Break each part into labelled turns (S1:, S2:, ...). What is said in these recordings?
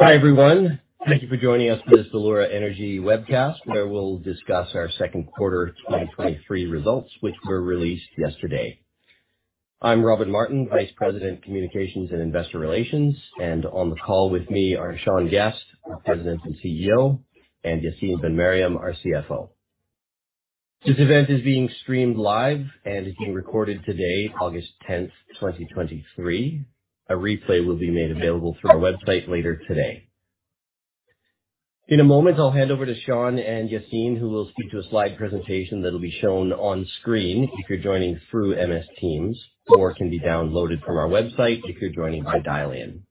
S1: Hi, everyone. Thank you for joining us for this Valeura Energy webcast, where we'll discuss our second quarter of 2023 results, which were released yesterday. I'm Robin Martin, Vice President, Communications and Investor Relations. On the call with me are Sean Guest, our President and CEO, and Yacine Ben-Meriem, our CFO. This event is being streamed live and is being recorded today, August 10, 2023. A replay will be made available through our website later today. In a moment, I'll hand over to Sean and Yacine, who will speak to a slide presentation that'll be shown on screen if you're joining through MS Teams, or it can be downloaded from our website if you're joining by dial-in.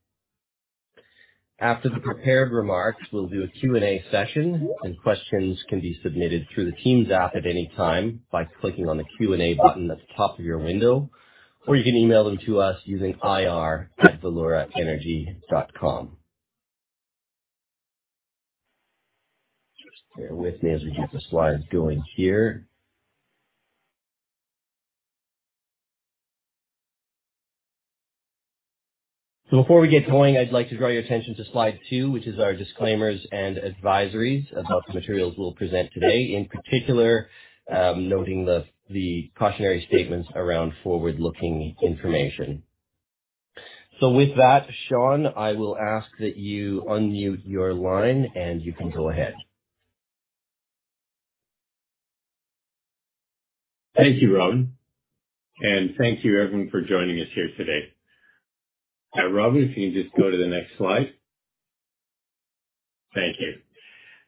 S1: After the prepared remarks, we'll do a Q&A session. Questions can be submitted through the Teams app at any time by clicking on the Q&A button at the top of your window, or you can email them to us using IR@valeuraenergy.com. Bear with me as we get the slides going here. Before we get going, I'd like to draw your attention to slide two, which is our disclaimers and advisories about the materials we'll present today, in particular, noting the cautionary statements around forward-looking information. With that, Sean, I will ask that you unmute your line, and you can go ahead.
S2: Thank you, Robin, and thank you, everyone, for joining us here today. Robin, if you can just go to the next slide. Thank you.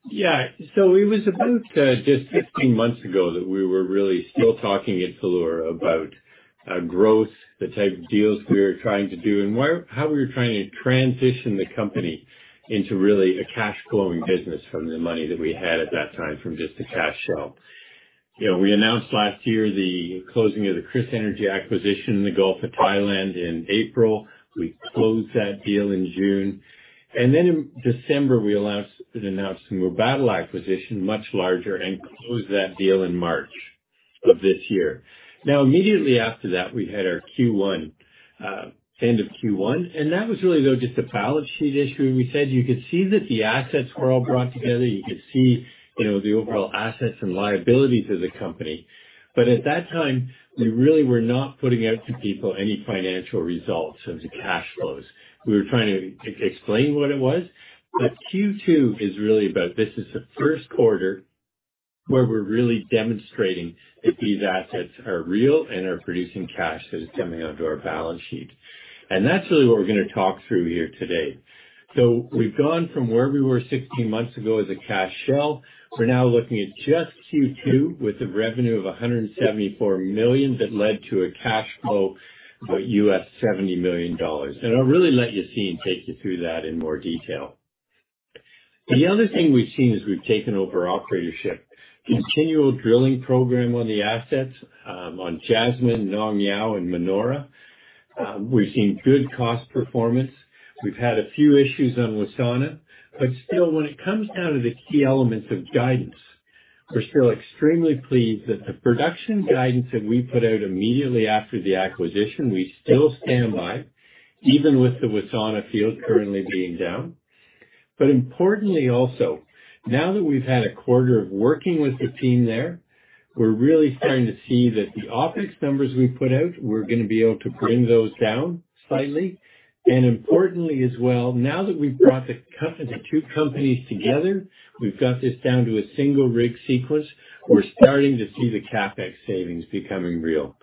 S2: Yeah, it was about just 16 months ago that we were really still talking at Valeura about growth, the type of deals we were trying to do, and how we were trying to transition the company into really a cash flowing business from the money that we had at that time from just the cash shell. You know, we announced last year the closing of the KrisEnergy acquisition in the Gulf of Thailand in April. We closed that deal in June, and then in December, we announced the Mubadala acquisition, much larger, and closed that deal in March of this year. Immediately after that, we had our Q1, end of Q1, that was really, though, just a balance sheet issue. We said you could see that the assets were all brought together. You could see, you know, the overall assets and liabilities of the company, at that time, we really were not putting out to people any financial results in terms of cash flows. We were trying to explain what it was. Q2 is really about, this is the first quarter where we're really demonstrating that these assets are real and are producing cash that is coming onto our balance sheet, that's really what we're gonna talk through here today. We've gone from where we were 16 months ago as a cash shell. We're now looking at just Q2 with a revenue of $174 million that led to a cash flow of $70 million. I'll really let Yacine take you through that in more detail. The other thing we've seen as we've taken over operatorship, continual drilling program on the assets, on Jasmine, Nong Yao, and Manora. We've seen good cost performance. We've had a few issues on Wassana, but still, when it comes down to the key elements of guidance, we're still extremely pleased that the production guidance that we put out immediately after the acquisition, we still stand by, even with the Wassana field currently being down. Importantly also, now that we've had a quarter of working with the team there, we're really starting to see that the office numbers we put out, we're gonna be able to bring those down slightly. Importantly as well, now that we've brought the two companies together, we've got this down to a single rig sequence. We're starting to see the CapEx savings becoming real.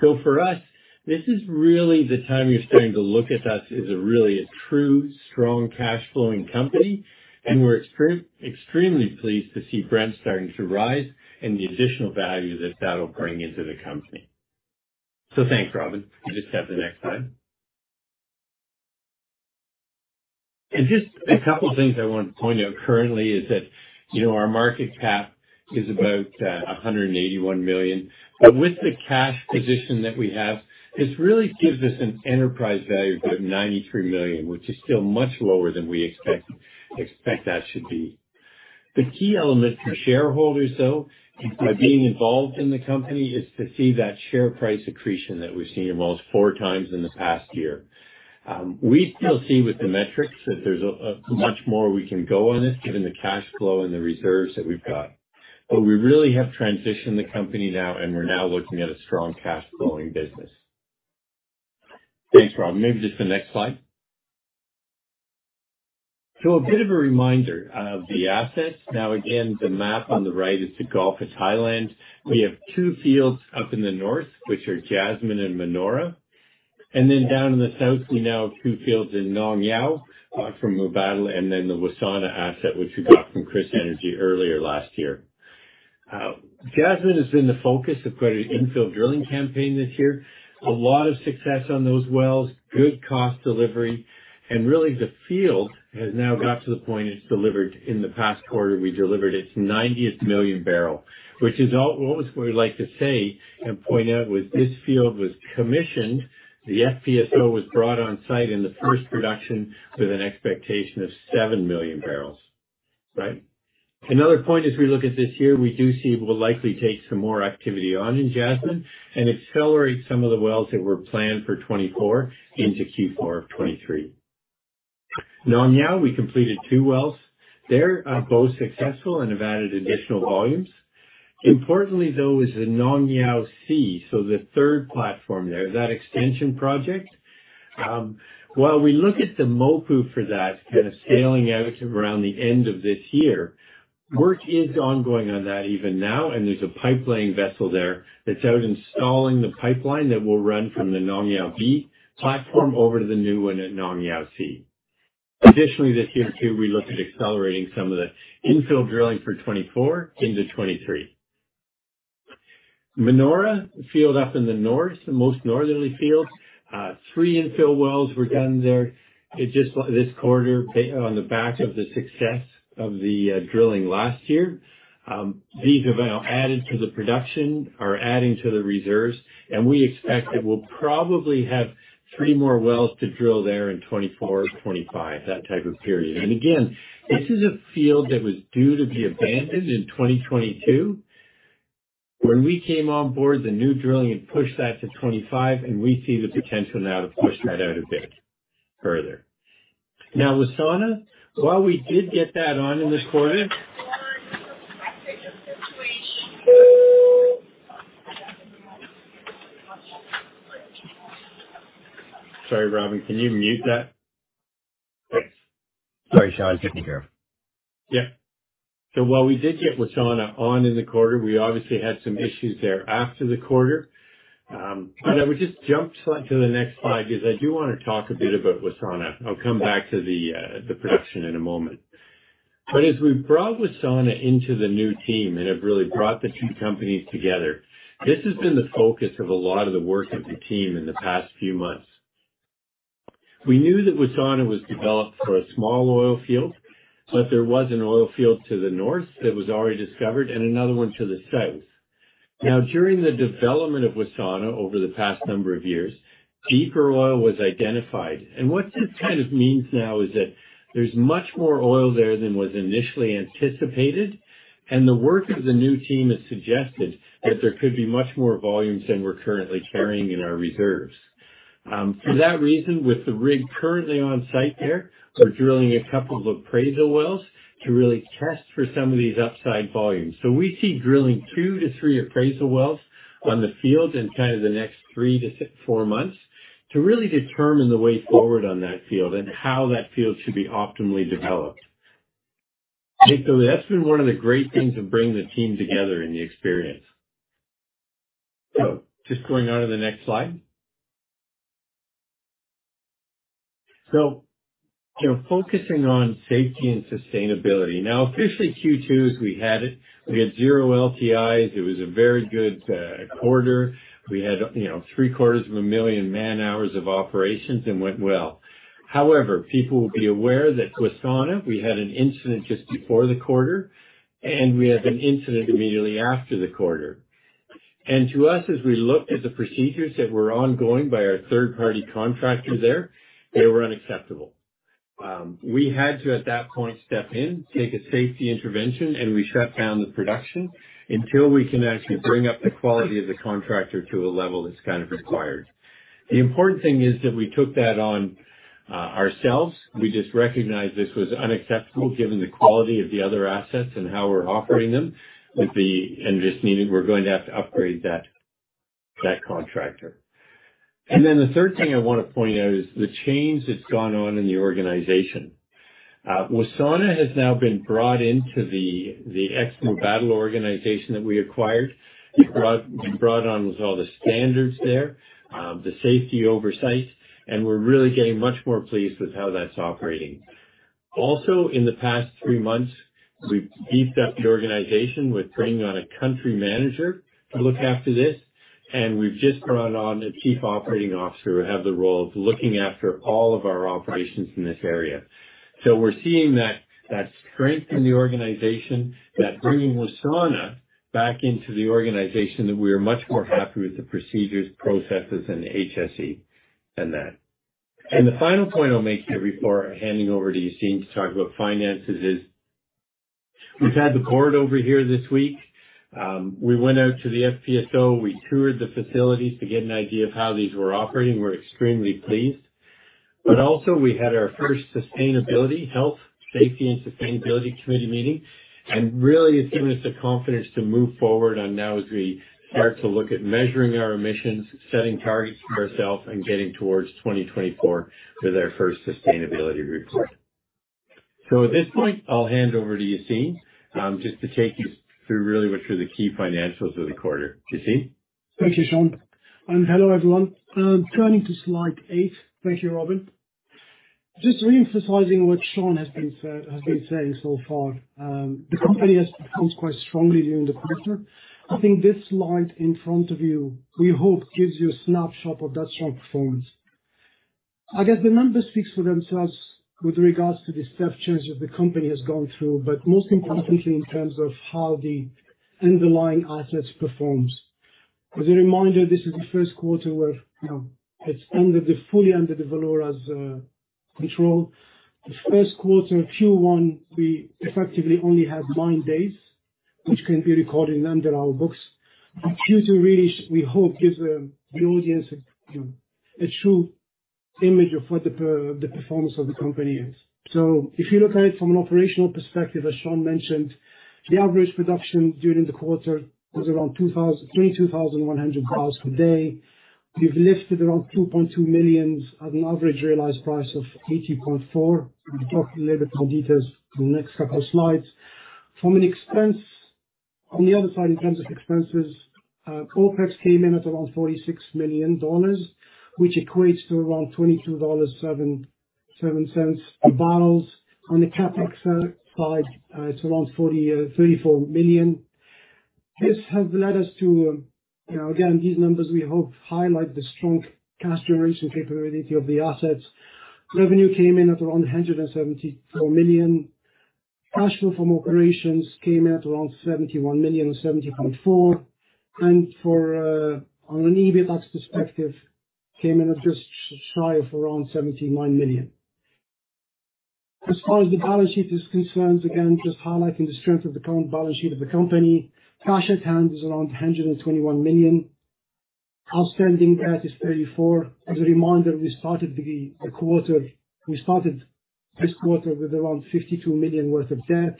S2: For us, this is really the time you're starting to look at us as a really, a true, strong, cash flowing company, and we're extremely pleased to see Brent starting to rise and the additional value that that'll bring into the company. Thanks, Robin. You just have the next slide. Just a couple of things I want to point out currently is that, you know, our market cap is about $181 million. With the cash position that we have, this really gives us an enterprise value of $93 million, which is still much lower than we expect that should be. The key element for shareholders, though, by being involved in the company, is to see that share price accretion that we've seen almost 4x in the past year. We still see with the metrics that there's much more we can go on this, given the cash flow and the reserves that we've got. But we really have transitioned the company now, and we're now looking at a strong cash flowing business. Thanks, Robin. Maybe just the next slide. A bit of a reminder of the assets. Now, again, the map on the right is the Gulf of Thailand. We have two fields up in the north, which are Jasmine and Manora, and then down in the south, we now have two fields in Nong Yao from Mubadala, and then the Wassana asset, which we got from KrisEnergy earlier last year. Jasmine has been the focus of quite an infill drilling campaign this year. A lot of success on those wells, good cost delivery, and really, the field has now got to the point it's delivered. In the past quarter, we delivered its 90th million barrel, which is always what we like to say and point out, when this field was commissioned, the FPSO was brought on site in the first production with an expectation of 7 million barrels. Right? Another point as we look at this year, we do see we'll likely take some more activity on in Jasmine and accelerate some of the wells that were planned for 2024 into Q4 of 2023. Nong Yao, we completed two wells there, both successful and have added additional volumes. Importantly, though, is the Nong Yao C, so the third platform there, that extension project. While we look at the MOPU for that kind of scaling out around the end of this year, work is ongoing on that even now, and there's a pipe-laying vessel there that's out installing the pipeline that will run from the Nong Yao B platform over to the new one at Nong Yao C. Additionally, this year, too, we look at accelerating some of the infill drilling for 2024 into 2023. Manora field up in the north, the most northerly field, three infill wells were done there this quarter, on the back of the success of the drilling last year. These have now added to the production, are adding to the reserves, and we expect it will probably have three more wells to drill there in 2024, 2025, that type of period. Again, this is a field that was due to be abandoned in 2022. When we came on board, the new drilling had pushed that to 2025, and we see the potential now to push that out a bit further. Wassana, while we did get that on in this quarter. Sorry, Robin, can you mute that? Thanks. Sorry, Sean. It's taken care of. Yeah. While we did get Wassana on in the quarter, we obviously had some issues there after the quarter. I would just jump to the next slide because I do want to talk a bit about Wassana. I'll come back to the production in a moment. As we've brought Wassana into the new team and have really brought the two companies together, this has been the focus of a lot of the work of the team in the past few months. We knew that Wassana was developed for a small oil field, but there was an oil field to the north that was already discovered and another one to the south. Now, during the development of Wassana over the past number of years, deeper oil was identified, and what this kind of means now is that there's much more oil there than was initially anticipated, and the work of the new team has suggested that there could be much more volumes than we're currently carrying in our reserves. For that reason, with the rig currently on site there, we're drilling a couple of appraisal wells to really test for some of these upside volumes. We see drilling 2-3 appraisal wells on the field in kind of the next 3-4 months, to really determine the way forward on that field and how that field should be optimally developed. That's been one of the great things of bringing the team together in the experience. Just going on to the next slide. You know, focusing on safety and sustainability. Now, officially, Q2 as we had it, we had zero LTIs. It was a very good quarter. We had, you know, 750,000 man hours of operations and went well. However, people will be aware that Wassana, we had an incident just before the quarter, and we had an incident immediately after the quarter. To us, as we looked at the procedures that were ongoing by our third-party contractor there, they were unacceptable. We had to, at that point, step in, take a safety intervention, and we shut down the production until we can actually bring up the quality of the contractor to a level that's kind of required. The important thing is that we took that on ourselves. We just recognized this was unacceptable given the quality of the other assets and how we're operating them with the... Just meaning we're going to have to upgrade that, that contractor. Then the third thing I want to point out is the change that's gone on in the organization. Wassana has now been brought into the, the Mubadala organization that we acquired. It brought, it brought on with all the standards there, the safety oversight, and we're really getting much more pleased with how that's operating. Also, in the past 3 months, we've beefed up the organization with bringing on a country manager to look after this, and we've just brought on a chief operating officer who will have the role of looking after all of our operations in this area. We're seeing that, that strength in the organization, that bringing Wassana back into the organization, that we are much more happy with the procedures, processes and HSE than that. The final point I'll make here before handing over to Yacine to talk about finances is, we've had the board over here this week. We went out to the FPSO, we toured the facilities to get an idea of how these were operating. We're extremely pleased. Also we had our first sustainability, Health, Safety and Sustainability Committee meeting, and really it's given us the confidence to move forward on now as we start to look at measuring our emissions, setting targets for ourselves, and getting towards 2024 with our first sustainability report. At this point, I'll hand over to Yacine, just to take you through really what are the key financials of the quarter. Yacine?
S3: Thank you, Sean, and hello, everyone. Turning to slide eight. Thank you, Robin. Just re-emphasizing what Sean has been saying so far, the company has performed quite strongly during the quarter. I think this slide in front of you, we hope, gives you a snapshot of that strong performance. I guess the numbers speak for themselves with regards to the step change that the company has gone through, but most importantly, in terms of how the underlying assets performs. As a reminder, this is the first quarter where, you know, it's fully under the Valeura's control. The first quarter, Q1, we effectively only had 9 days, which can be recorded under our books. Q2 really we hope, gives the audience, you know, a true image of what the performance of the company is. If you look at it from an operational perspective, as Sean mentioned, the average production during the quarter was around 22,100 barrels per day. We've lifted around 2.2 million at an average realized price of $80.4. We'll talk a little bit more details in the next couple of slides. On the other side, in terms of expenses, OpEx came in at around $46 million, which equates to around $22.77 a barrel. On the CapEx side, it's around $34 million. This has led us to, you know, again, these numbers, we hope, highlight the strong cash generation capability of the assets. Revenue came in at around $174 million. Cash flow from operations came in at around $71 million, $70.4, and for, on an EBITDA perspective, came in at just shy of around $79 million. As far as the balance sheet is concerned, again, just highlighting the strength of the current balance sheet of the company. Cash at hand is around $121 million. Outstanding debt is $34 million. As a reminder, we started this quarter with around $52 million worth of debt.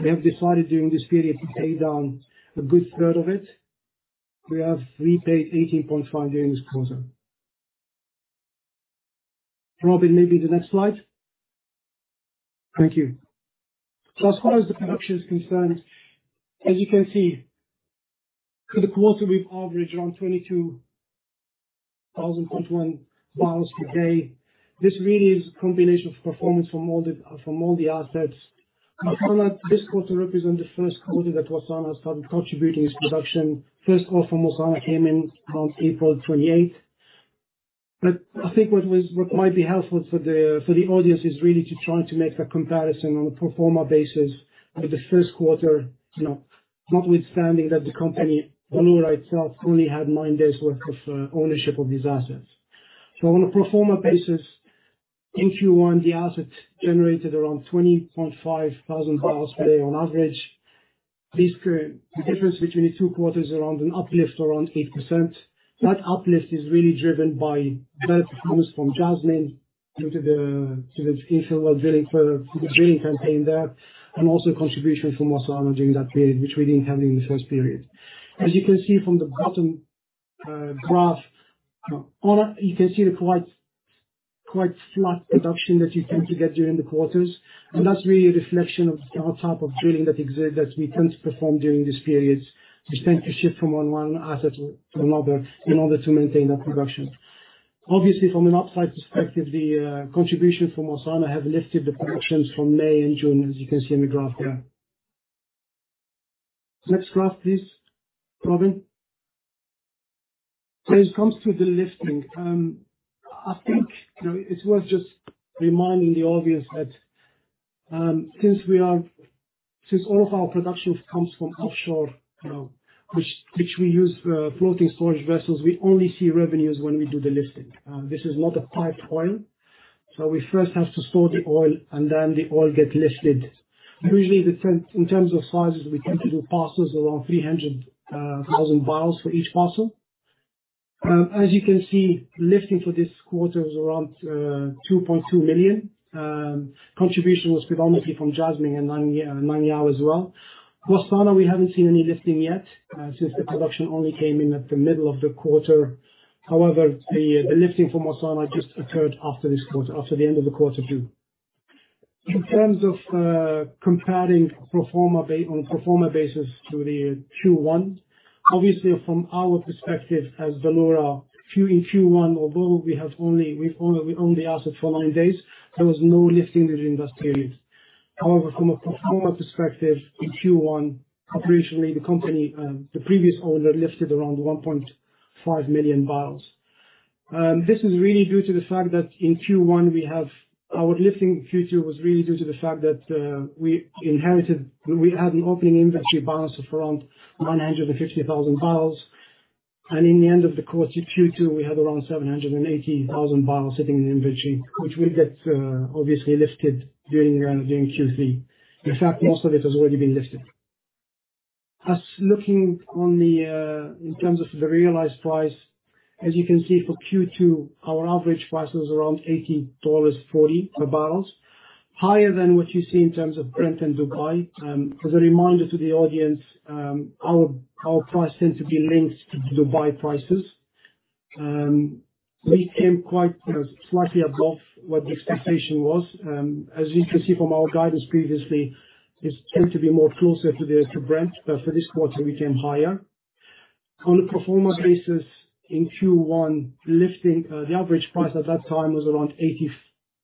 S3: We have decided during this period to pay down a good third of it. We have repaid $18.5 million during this quarter. Robin, maybe the next slide. Thank you. As far as the production is concerned, as you can see, for the quarter, we've averaged around 22,000.1 barrels per day. This really is a combination of performance from all the, from all the assets. Wassana, this quarter represent the first quarter that Wassana has started contributing its production. First oil from Wassana came in on April 28. I think what might be helpful for the, for the audience is really to try to make a comparison on a pro forma basis for the first quarter, you know, notwithstanding that the company, Valeura itself, only had 9 days worth of ownership of these assets. On a pro forma basis, in Q1, the assets generated around 20.5 thousand barrels per day on average. This current, the difference between the two quarters is around an uplift around 8%. That uplift is really driven by better performance from Jasmine, due to the initial well drilling for the drilling campaign there, and also contribution from Wassana during that period, which we didn't have in the first period. As you can see from the bottom graph, you can see the quite, quite flat production that you tend to get during the quarters, and that's really a reflection of the type of drilling that we tend to perform during this period. We tend to shift from one, one asset to another in order to maintain that production. Obviously, from an upside perspective, the contribution from Wassana have lifted the productions from May and June, as you can see in the graph there. Next graph, please, Robin. When it comes to the lifting, I think, you know, it's worth just reminding the obvious that, since all of our production comes from offshore, you know, which, which we use, floating storage vessels, we only see revenues when we do the lifting. This is not a piped oil, so we first have to store the oil and then the oil get lifted. Usually, in terms of sizes, we tend to do parcels around 300,000 barrels for each parcel. As you can see, lifting for this quarter is around 2.2 million. Contribution was predominantly from Jasmine and Manora as well. Wassana, we haven't seen any lifting yet, since the production only came in at the middle of the quarter. However, the, the lifting from Wassana just occurred after this quarter, after the end of the quarter, June. In terms of comparing pro forma ba- on a pro forma basis to the Q1, obviously, from our perspective as Valeura, Q-- in Q1, although we have only... We've only, we owned the asset for nine days, there was no lifting during that period. However, from a pro forma perspective, in Q1, operationally, the company, the previous owner, lifted around 1.5 million barrels. This is really due to the fact that in Q1, our lifting Q2 was really due to the fact that we had an opening inventory barrels of around 950,000 barrels, and in the end of the quarter, Q2, we had around 780,000 barrels sitting in inventory, which will get obviously lifted during Q3. Most of it has already been lifted. As looking on the in terms of the realized price, as you can see for Q2, our average price was around $80.40 per barrels. Higher than what you see in terms of Brent and Dubai. As a reminder to the audience, our, our price tends to be linked to Dubai prices. We came quite, you know, slightly above what the expectation was. As you can see from our guidance previously, it's tend to be more closer to the, to Brent, but for this quarter, we came higher. On a pro forma basis, in Q1, lifting, the average price at that time was around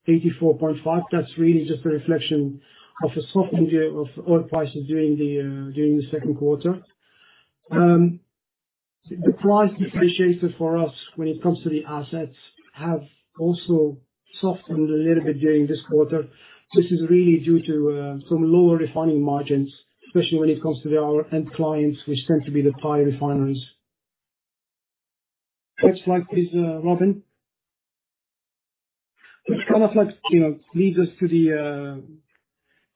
S3: $84.5. That's really just a reflection of a softening of, of oil prices during the, during the second quarter. The price appreciated for us when it comes to the assets, have also softened a little bit during this quarter. This is really due to some lower refining margins, especially when it comes to our end clients, which tend to be the higher refineries. Next slide, please, Robin. Which kind of like, you know, leads us to the,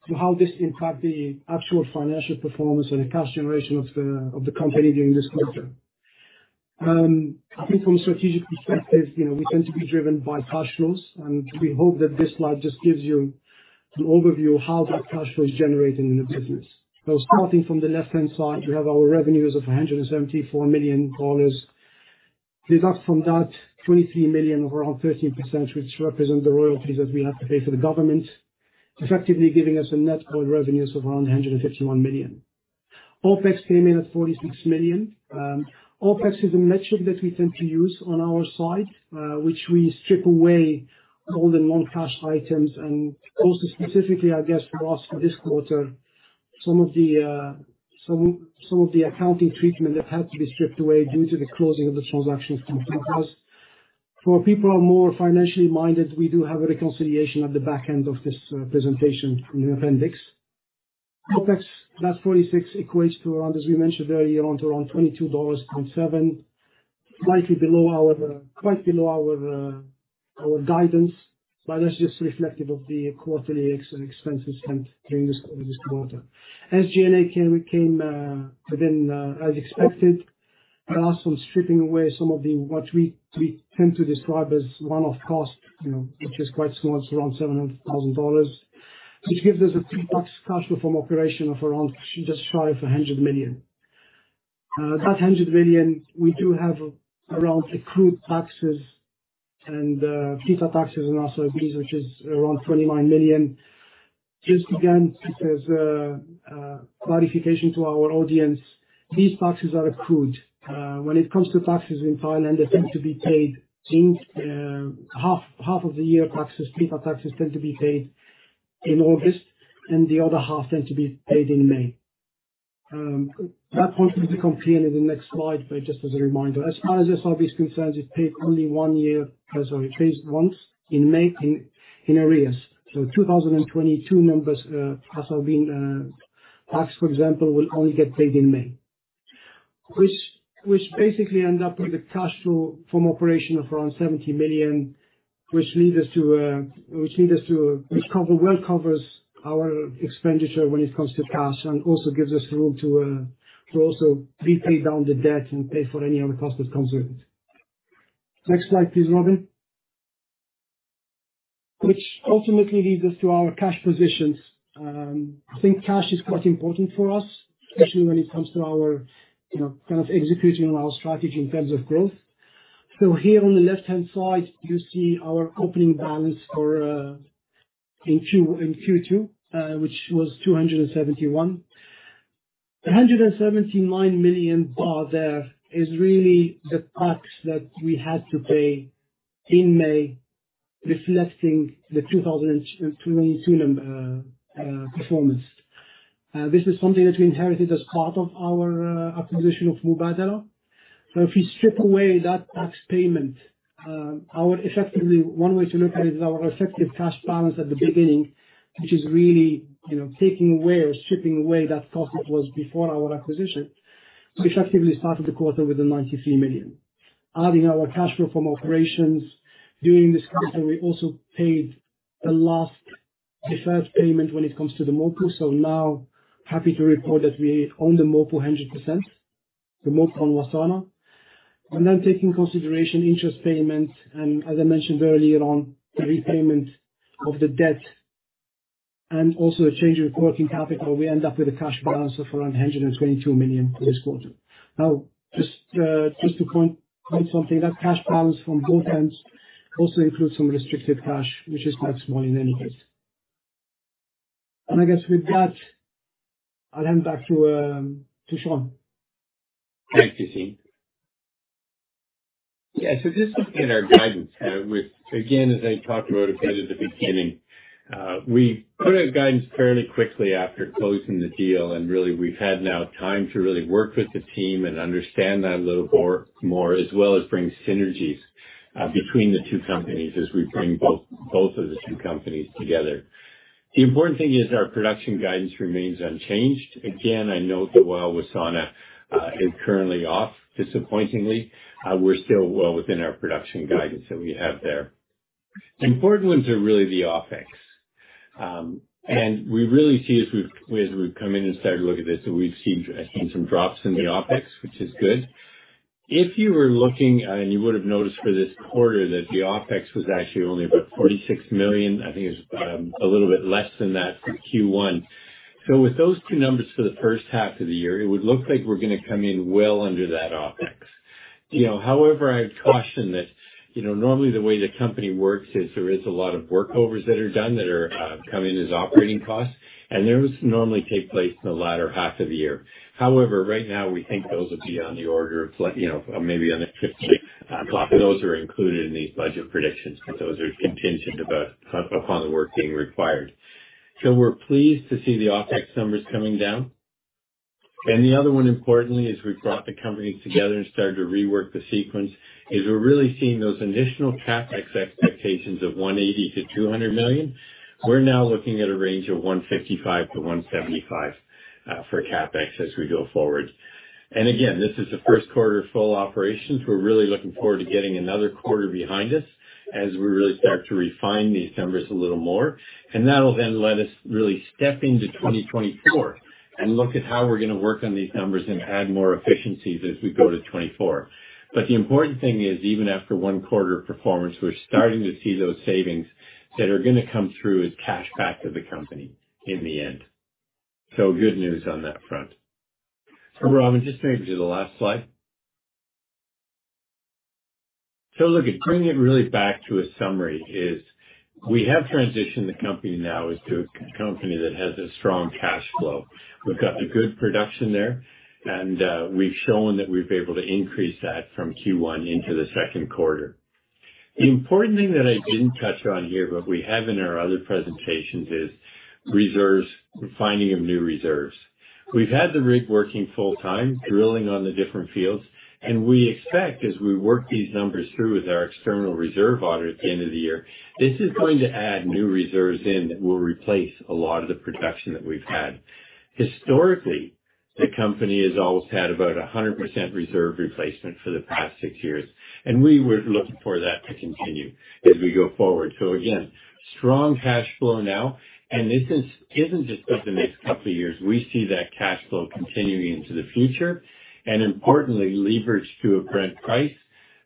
S3: to how this impact the actual financial performance and the cash generation of the, of the company during this quarter. I think from a strategic perspective, you know, we tend to be driven by cash flows, and we hope that this slide just gives you an overview of how that cash flow is generating in the business. Starting from the left-hand side, we have our revenues of $174 million. Deduct from that $23 million, around 13%, which represent the royalties that we have to pay to the government, effectively giving us a net oil revenues of around $151 million. OpEx came in at $46 million. OpEx is a metric that we tend to use on our side, which we strip away all the non-cash items and also specifically, I guess, for us for this quarter, some of the accounting treatment that had to be stripped away due to the closing of the transactions from Mubadala. For people who are more financially minded, we do have a reconciliation at the back end of this presentation in the appendix. OpEx, that 46 equates to around, as we mentioned earlier, around $22.07, slightly below our, quite below our, our guidance, but that's just reflective of the quarterly expenses spent during this, this quarter. SG&A came, came within, as expected, but also stripping away some of the what we tend to describe as one-off costs, you know, which is quite small, it's around $700,000, which gives us a pre-tax cash flow from operation of around just shy of $100 million. That $100 million, we do have around accrued taxes and diesel taxes and also SRB, which is around $29 million. Just again, as a clarification to our audience, these taxes are accrued. When it comes to taxes in Thailand, they tend to be paid in half, half of the year taxes. Diesel taxes tend to be paid in August, and the other half tend to be paid in May. That point will be completed in the next slide, but just as a reminder, as far as SRB is concerned, it paid only 1 year as it raised once in May, in arrears. 2022 numbers, also being tax, for example, will only get paid in May. Which basically end up with a cash flow from operation of around $70 million, which leads us to, which leads us to, which cover, well covers our expenditure when it comes to cash and also gives us room to, to also pre-pay down the debt and pay for any other cost that comes with it. Next slide, please, Robin. Which ultimately leads us to our cash positions. I think cash is quite important for us, especially when it comes to our, you know, kind of executing on our strategy in terms of growth. Here on the left-hand side, you see our opening balance for, in Q, in Q2, which was $271 million. $179 million there is really the tax that we had to pay in May, reflecting the 2022 performance. This is something that we inherited as part of our acquisition of Mubadala. If you strip away that tax payment, our effectively, one way to look at it is our effective cash balance at the beginning, which is really, you know, taking away or stripping away that cost it was before our acquisition, which effectively started the quarter with $93 million. Adding our cash flow from operations during this quarter, we also paid the last deferred payment when it comes to the MOPU. Now, happy to report that we own the MOPU 100%, the MOPU Wassana. Then taking consideration interest payments, and as I mentioned earlier on, the repayment of the debt and also a change in working capital, we end up with a cash balance of around $122 million for this quarter. Just to point, point something, that cash balance from both ends also includes some restricted cash, which is quite small in any case. I guess with that, I'll hand back to Sean.
S2: Thanks, Yacine. Yeah, just to update our guidance, which again, as I talked about a bit at the beginning, we put out guidance fairly quickly after closing the deal, really, we've had now time to really work with the team and understand that a little more, as well as bring synergies between the two companies as we bring both of the two companies together. The important thing is our production guidance remains unchanged. Again, I know that while Wassana is currently off, disappointingly, we're still well within our production guidance that we have there. The important ones are really the OpEx. We really see as we've come in and started to look at this, that we've seen some drops in the OpEx, which is good. If you were looking, you would have noticed for this quarter, that the OpEx was actually only about $46 million. I think it's a little bit less than that for Q1. With those two numbers for the first half of the year, it would look like we're going to come in well under that OpEx. You know, however, I'd caution that, you know, normally the way the company works is there is a lot of workovers that are done that are coming in as operating costs, and those normally take place in the latter half of the year. However, right now we think those would be on the order of like, you know, maybe on the fifth, sixth, a lot of those are included in these budget predictions, but those are contingent about upon the work being required. We're pleased to see the OpEx numbers coming down. The other one, importantly, is we've brought the company together and started to rework the sequence, is we're really seeing those initial CapEx expectations of $180 million-$200 million. We're now looking at a range of $155 million-$175 million for CapEx as we go forward. Again, this is the first quarter of full operations. We're really looking forward to getting another quarter behind us as we really start to refine these numbers a little more. That'll then let us really step into 2024 and look at how we're going to work on these numbers and add more efficiencies as we go to 2024. The important thing is, even after one quarter of performance, we're starting to see those savings that are going to come through as cash back to the company in the end. Good news on that front. Robin, just maybe to the last slide. Look, bringing it really back to a summary is we have transitioned the company now into a company that has a strong cash flow. We've got the good production there, and we've shown that we've been able to increase that from Q1 into the second quarter. The important thing that I didn't touch on here, but we have in our other presentations, is reserves, finding of new reserves. We've had the rig working full time, drilling on the different fields, and we expect, as we work these numbers through with our external reserve auditor at the end of the year, this is going to add new reserves in that will replace a lot of the production that we've had. Historically, the company has always had about 100% reserve replacement for the past 6 years, and we were looking for that to continue as we go forward. Again, strong cash flow now, and this isn't just over the next couple of years. We see that cash flow continuing into the future and importantly, leveraged to a Brent price,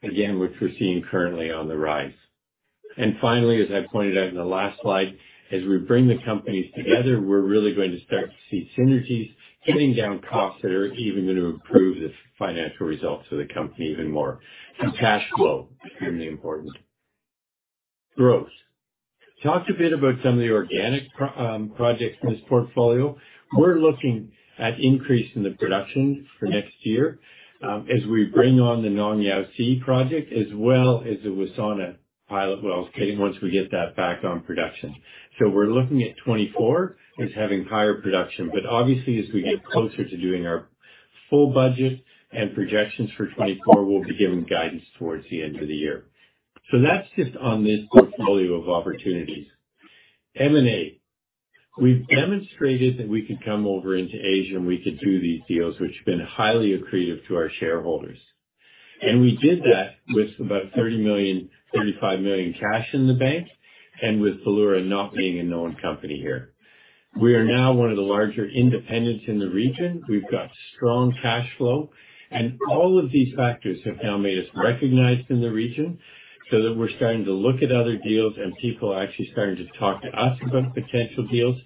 S2: again, which we're seeing currently on the rise. Finally, as I pointed out in the last slide, as we bring the companies together, we're really going to start to see synergies, getting down costs that are even going to improve the financial results of the company even more. Cash flow, extremely important. Growth. Talked a bit about some of the organic projects in this portfolio. We're looking at increase in the production for next year, as we bring on the Nong Yao C project, as well as the Wassana pilot wells, okay, once we get that back on production. We're looking at 2024 as having higher production, but obviously, as we get closer to doing our full budget and projections for 2024, we'll be giving guidance towards the end of the year. That's just on this portfolio of opportunities. M&A. We've demonstrated that we could come over into Asia, and we could do these deals, which have been highly accretive to our shareholders. We did that with about $30 million, $35 million cash in the bank and with Valeura not being a known company here. We are now one of the larger independents in the region. We've got strong cash flow. All of these factors have now made us recognized in the region so that we're starting to look at other deals, and people are actually starting to talk to us about potential deals.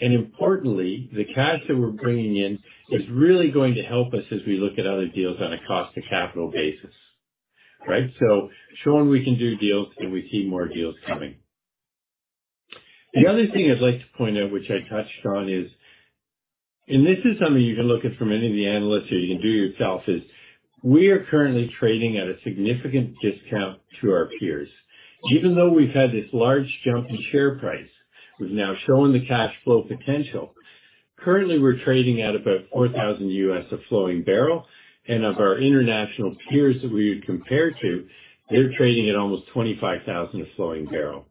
S2: Importantly, the cash that we're bringing in is really going to help us as we look at other deals on a cost to capital basis, right? Showing we can do deals, and we see more deals coming. The other thing I'd like to point out, which I touched on. This is something you can look at from any of the analysts or you can do yourself, is we are currently trading at a significant discount to our peers. Even though we've had this large jump in share price, we've now shown the cash flow potential. Currently, we're trading at about $4,000 a flowing barrel, and of our international peers that we would compare to, they're trading at almost $25,000 a flowing barrel.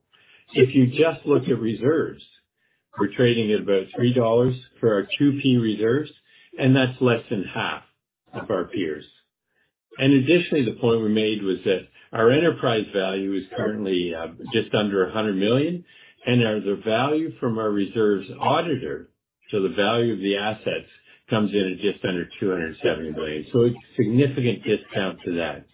S2: If you just look at reserves, we're trading at about $3 for our 2P reserves, and that's less than half of our peers. Additionally, the point we made was that our enterprise value is currently just under $100 million, and the value from our reserves auditor, so the value of the assets, comes in at just under $270 million. It's a significant discount to that.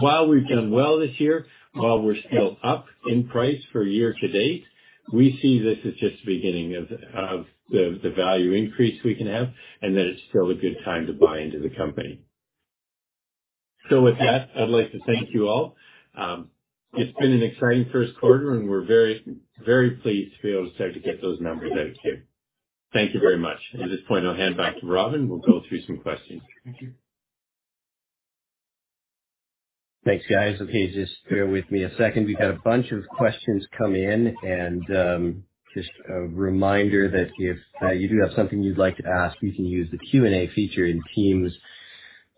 S2: While we've done well this year, while we're still up in price for year to date, we see this as just the beginning of the value increase we can have and that it's still a good time to buy into the company. With that, I'd like to thank you all. It's been an exciting first quarter, and we're very, very pleased to be able to start to get those numbers out here. Thank you very much. At this point, I'll hand it back to Robin, who will go through some questions. Thank you.
S1: Thanks, guys. Okay, just bear with me a second. We've had a bunch of questions come in, and, just a reminder that if, you do have something you'd like to ask, you can use the Q&A feature in Teams,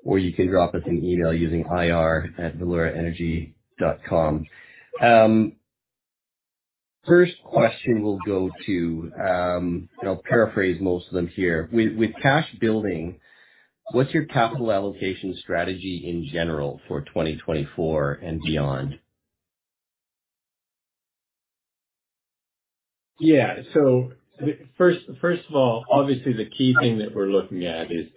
S1: or you can drop us an email using IR@valeuraenergy.com. First question we'll go to, and I'll paraphrase most of them here: With cash building, what's your capital allocation strategy in general for 2024 and beyond?
S2: Yeah. First, first of all, obviously, the key thing that we're looking at is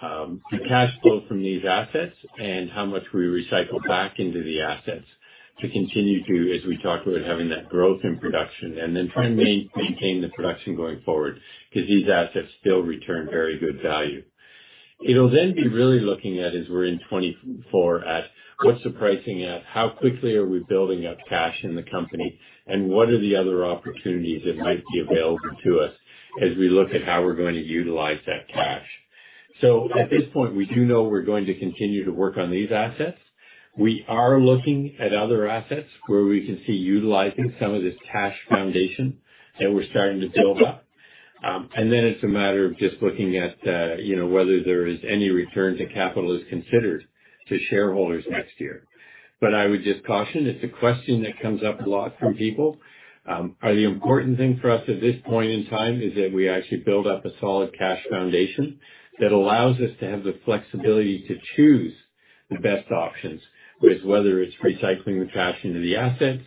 S2: the cash flow from these assets and how much we recycle back into the assets to continue to, as we talked about, having that growth in production and then try and maintain the production going forward, because these assets still return very good value. It'll then be really looking at, as we're in 2024, at what's the pricing at, how quickly are we building up cash in the company, and what are the other opportunities that might be available to us as we look at how we're going to utilize that cash? At this point, we do know we're going to continue to work on these assets. We are looking at other assets where we can see utilizing some of this cash foundation that we're starting to build up. Then it's a matter of just looking at, you know, whether there is any return to capital is considered to shareholders next year. I would just caution, it's a question that comes up a lot from people. The important thing for us at this point in time is that we actually build up a solid cash foundation that allows us to have the flexibility to choose the best options, with whether it's recycling the cash into the assets,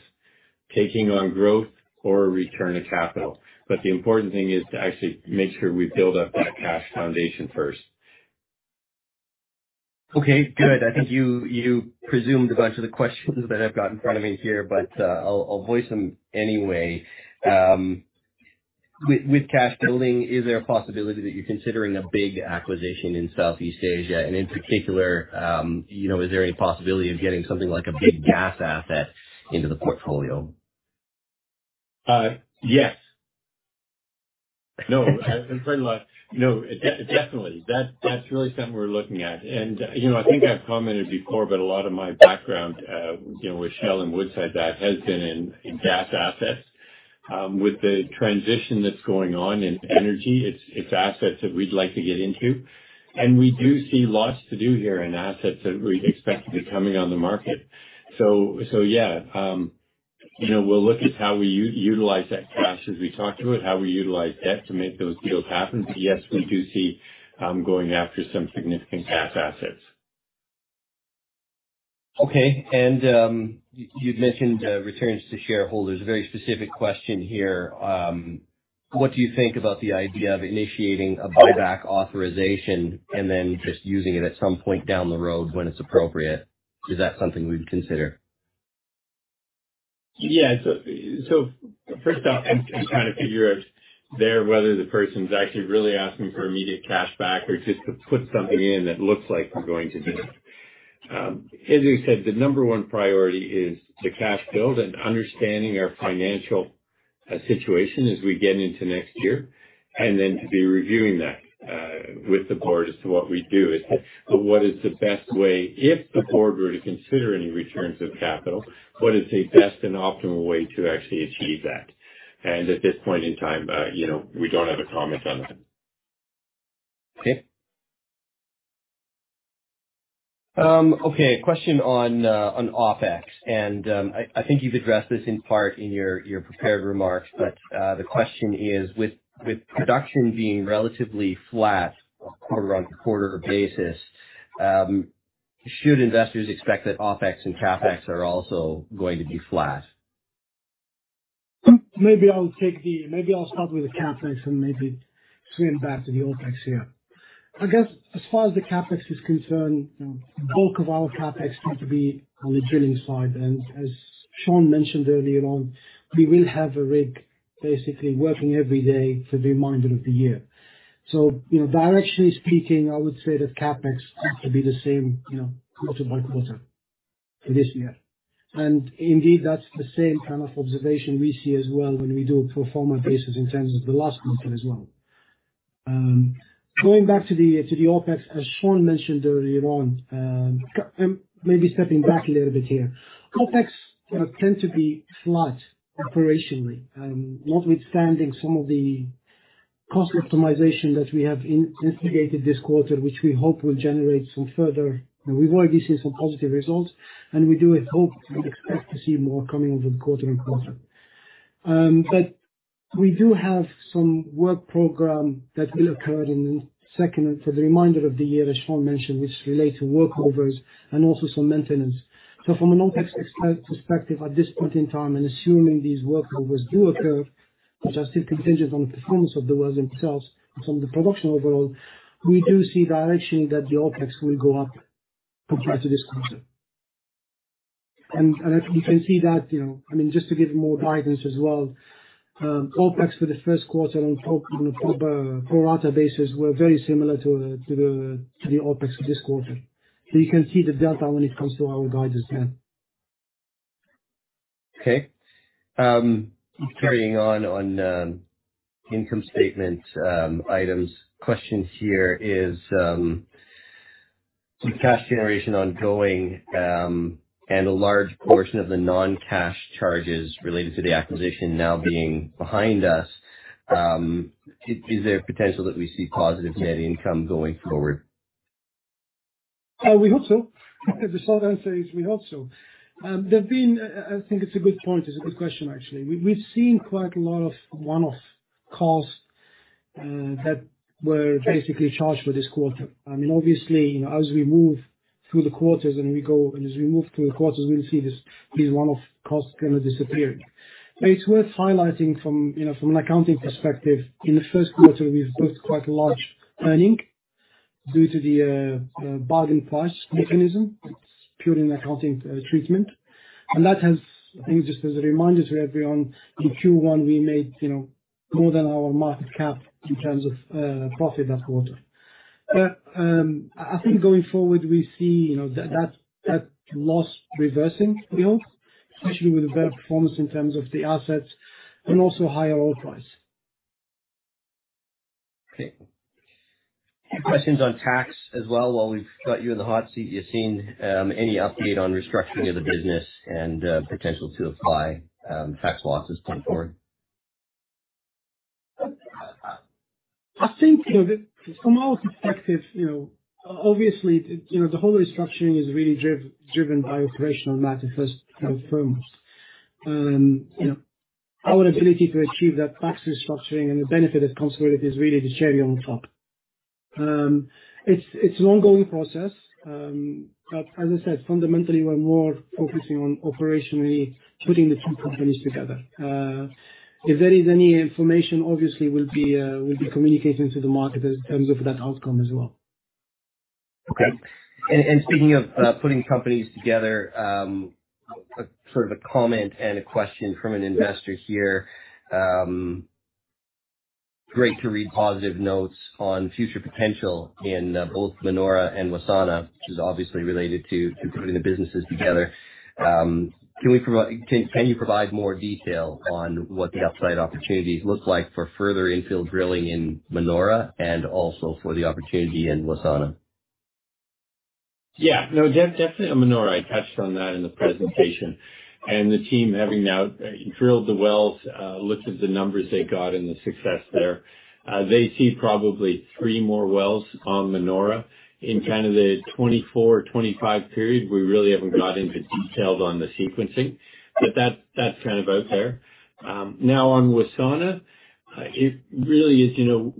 S2: taking on growth or a return of capital. The important thing is to actually make sure we build up that cash foundation first.
S1: Okay, good. I think you, you presumed a bunch of the questions that I've got in front of me here, but, I'll, I'll voice them anyway. With, with cash building, is there a possibility that you're considering a big acquisition in Southeast Asia? In particular, you know, is there any possibility of getting something like a big gas asset into the portfolio?
S2: Yes. No, I'm sorry, no, definitely. That's, that's really something we're looking at. You know, I think I've commented before, but a lot of my background, you know, with Shell and Woodside, that has been in, in gas assets. With the transition that's going on in energy, it's, it's assets that we'd like to get into. We do see lots to do here, and assets that we expect to be coming on the market. Yeah. You know, we'll look at how we utilize that cash as we talk through it, how we utilize debt to make those deals happen. Yes, we do see, going after some significant gas assets.
S1: Okay. You, you'd mentioned returns to shareholders. A very specific question here. What do you think about the idea of initiating a buyback authorization and then just using it at some point down the road when it's appropriate? Is that something we'd consider?
S2: Yeah. First off, I'm trying to figure out there whether the person's actually really asking for immediate cash back or just to put something in that looks like we're going to do it. As we said, the number one priority is the cash build and understanding our financial situation as we get into next year, and then to be reviewing that with the board as to what we do. But what is the best way, if the board were to consider any returns of capital, what is the best and optimal way to actually achieve that? At this point in time, you know, we don't have a comment on that.
S1: Okay. Okay, a question on, on OpEx, and, I, I think you've addressed this in part in your, your prepared remarks. The question is: With, with production being relatively flat quarter-on-quarter basis, should investors expect that OpEx and CapEx are also going to be flat?
S3: Maybe I'll take the. Maybe I'll start with the CapEx and maybe swing back to the OpEx here. I guess as far as the CapEx is concerned, you know, the bulk of our CapEx tend to be on the drilling side. As Sean mentioned earlier on, we will have a rig basically working every day for the remainder of the year. You know, directionally speaking, I would say that CapEx ought to be the same, you know, quarter by quarter for this year. Indeed, that's the same kind of observation we see as well when we do a pro forma basis in terms of the last quarter as well. Going back to the OpEx, as Sean mentioned earlier on, maybe stepping back a little bit here. OpEx tend to be flat operationally, notwithstanding some of the cost optimization that we have instigated this quarter, which we hope will generate some further. You know, we've already seen some positive results, and we do hope and expect to see more coming over the quarter-on-quarter. We do have some work program that will occur in the second and for the remainder of the year, as Sean mentioned, which relate to workovers and also some maintenance. From an OpEx perspective, at this point in time, and assuming these workovers do occur, which are still contingent on the performance of the wells themselves and from the production overall, we do see directionally that the OpEx will go up compared to this quarter. As you can see that, you know, I mean, just to give more guidance as well, OpEx for the first quarter on a pro forma basis were very similar to the OpEx for this quarter. You can see the delta when it comes to our guidance there.
S1: Okay. carrying on on income statement items. Questions here is, with cash generation ongoing, and a large portion of the non-cash charges related to the acquisition now being behind us, is, is there a potential that we see positive net income going forward?
S3: We hope so. The short answer is we hope so. I think it's a good point. It's a good question, actually. We've seen quite a lot of one-off costs that were basically charged for this quarter. I mean, obviously, you know, as we move through the quarters, we'll see these one-off costs kind of disappearing. It's worth highlighting from, you know, from an accounting perspective, in the first quarter, we've booked quite a large earning due to the bargain purchase mechanism. It's purely an accounting treatment. That has, I think, just as a reminder to everyone, in Q1, we made, you know, more than our market cap in terms of profit that quarter. I think going forward, we see, you know, that, that, that loss reversing, you know, especially with the better performance in terms of the assets and also higher oil price.
S1: Okay. Questions on tax as well, while we've got you in the hot seat, Yacine. Any update on restructuring of the business and, potential to apply, tax losses going forward?
S3: I think, you know, that from our perspective, you know, obviously, you know, the whole restructuring is really driven by operational matters first and foremost. You know, our ability to achieve that tax restructuring and the benefit that comes with it is really the cherry on top. It's, it's an ongoing process, but as I said, fundamentally, we're more focusing on operationally putting the two companies together. If there is any information, obviously, we'll be, we'll be communicating to the market in terms of that outcome as well.
S1: Okay. Speaking of putting companies together, sort of a comment and a question from an investor here. Great to read positive notes on future potential in both Manora and Wassana, which is obviously related to putting the businesses together. Can you provide more detail on what the upside opportunities look like for further infill drilling in Manora and also for the opportunity in Wassana?
S2: No, definitely on Manora, I touched on that in the presentation, and the team, having now drilled the wells, looked at the numbers they got and the success there. They see probably three more wells on Manora in kind of the 2024-2025 period. We really haven't got into details on the sequencing, but that's, that's kind of out there. Now, on Wassana, it really is... You know,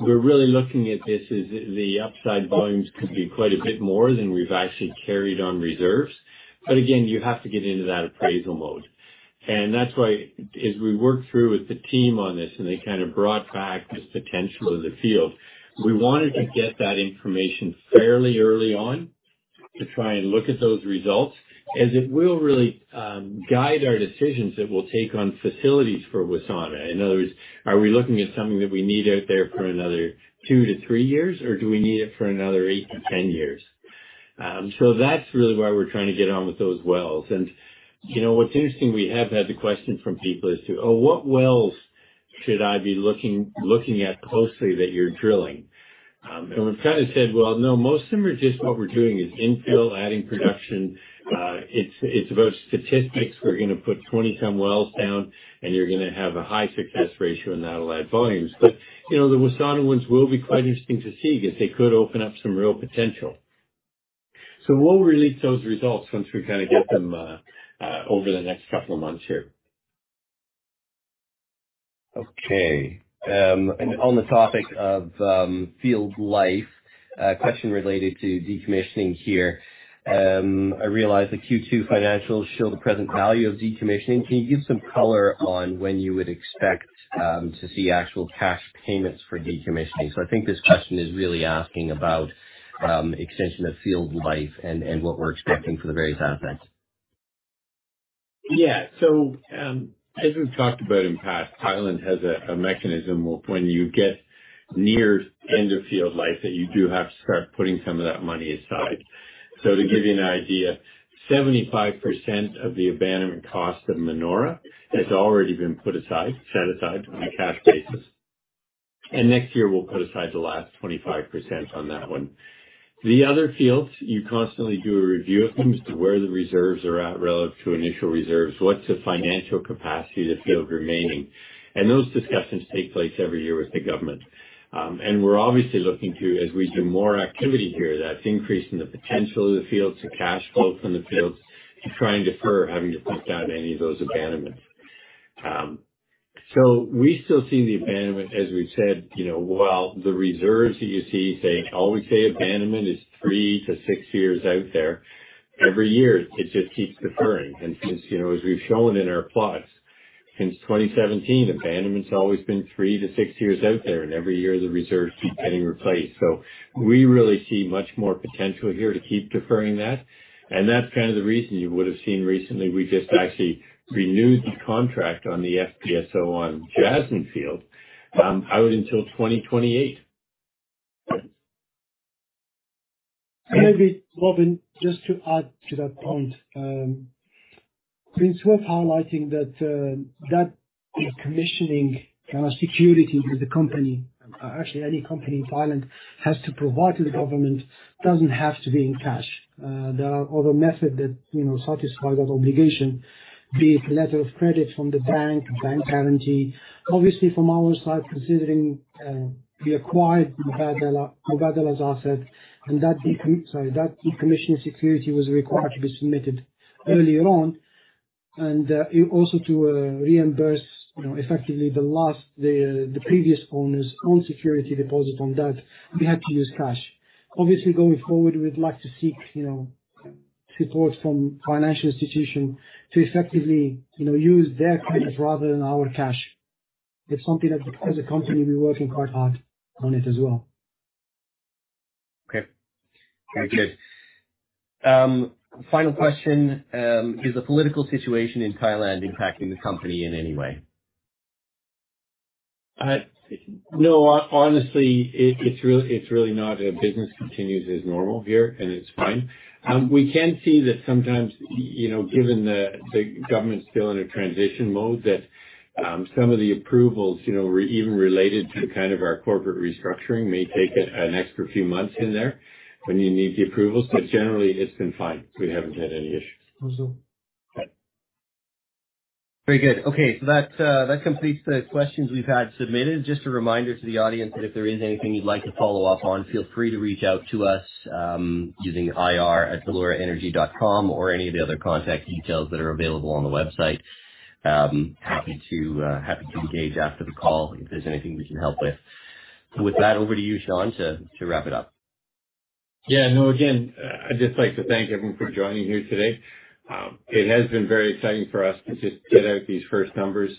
S2: we're really looking at this as the upside volumes could be quite a bit more than we've actually carried on reserves, again, you have to get into that appraisal mode. That's why as we worked through with the team on this, and they kind of brought back this potential of the field, we wanted to get that information fairly early on to try and look at those results, as it will really guide our decisions that we'll take on facilities for Wassana. In other words, are we looking at something that we need out there for another 2 to 3 years, or do we need it for another 8 to 10 years? That's really why we're trying to get on with those wells. And you know, what's interesting, we have had the question from people as to, "Oh, what wells should I be looking at closely that you're drilling?" We've kind of said, "Well, no, most of them are just what we're doing is infill, adding production. It's, it's about statistics. We're going to put 20-some wells down, and you're going to have a high success ratio and that'll add volumes. You know, the Wassana ones will be quite interesting to see, because they could open up some real potential. We'll release those results once we kind of get them over the next 2 months here.
S1: Okay. On the topic of field life, a question related to decommissioning here. I realize the Q2 financials show the present value of decommissioning. Can you give some color on when you would expect to see actual cash payments for decommissioning? I think this question is really asking about extension of field life and, and what we're expecting for the various assets.
S2: Yeah. As we've talked about in the past, Thailand has a mechanism where when you get near end of field life, that you do have to start putting some of that money aside. To give you an idea, 75% of the abandonment cost of Manora has already been put aside, set aside on a cash basis, and next year we'll put aside the last 25% on that one. The other fields, you constantly do a review of them as to where the reserves are at relative to initial reserves. What's the financial capacity of the field remaining? Those discussions take place every year with the government. We're obviously looking to, as we do more activity here, that's increasing the potential of the fields, the cash flow from the fields, to try and defer having to think about any of those abandonments. We still see the abandonment, as we've said, you know, while the reserves that you see saying... All we say abandonment is 3-6 years out there. Every year, it just keeps deferring. Since, you know, as we've shown in our plots, since 2017, abandonment's always been 3-6 years out there, and every year the reserves keep getting replaced. We really see much more potential here to keep deferring that. That's kind of the reason you would have seen recently, we just actually renewed the contract on the FPSO on Jasmine field out until 2028.
S3: Maybe, Robin, just to add to that point. It's worth highlighting that that decommissioning kind of security that the company, actually any company in Thailand, has to provide to the government doesn't have to be in cash. There are other methods that, you know, satisfy that obligation, be it letter of credit from the bank, bank guarantee. Obviously, from our side, considering we acquired the Mubadala, Mubadala's asset, and that sorry, that decommission security was required to be submitted earlier on. Also to reimburse, you know, effectively the last, the, the previous owner's own security deposit on that, we had to use cash. Obviously, going forward, we'd like to seek, you know, support from financial institution to effectively, you know, use their cash rather than our cash. It's something that as a company, we're working quite hard on it as well.
S1: Okay. Very good. Final question, is the political situation in Thailand impacting the company in any way?
S2: No, honestly, it, it's really, it's really not. Business continues as normal here, and it's fine. We can see that sometimes, y- you know, given the, the government's still in a transition mode, that, some of the approvals, you know, even related to kind of our corporate restructuring, may take an extra few months in there when you need the approvals, but generally it's been fine. We haven't had any issues.
S3: Also.
S2: Okay.
S1: Very good. Okay, so that completes the questions we've had submitted. Just a reminder to the audience that if there is anything you'd like to follow up on, feel free to reach out to us, using IR@valeuraenergy.com or any of the other contact details that are available on the website. Happy to, happy to engage after the call if there's anything we can help with. With that, over to you, Sean, to, to wrap it up.
S2: Yeah. No, again, I'd just like to thank everyone for joining here today. It has been very exciting for us to just get out these first numbers.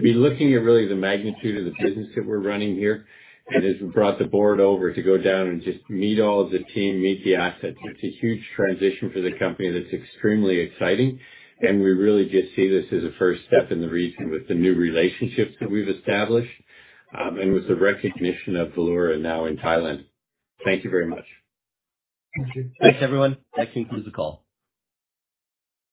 S2: We're looking at really the magnitude of the business that we're running here, as we brought the board over to go down and just meet all of the team, meet the assets, it's a huge transition for the company that's extremely exciting. We really just see this as a first step in the region with the new relationships that we've established, and with the recognition of Valeura now in Thailand. Thank you very much.
S3: Thank you.
S1: Thanks, everyone. That concludes the call.